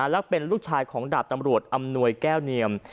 และเป็นลูกชายของดาบตำรวจอำนวยแก้วเนียม